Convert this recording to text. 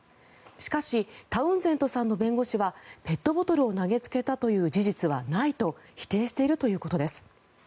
しかしタウンゼントさんの弁護士はペットボトルを投げつけたという事実はないと否定しているということです。